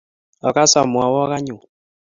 Ogas omwowok anyun.